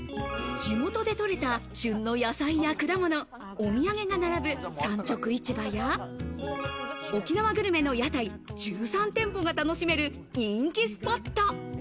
地元で採れた旬の野菜や果物、お土産が並ぶ産直市場や沖縄グルメの屋台１３店舗が楽しめる人気スポット。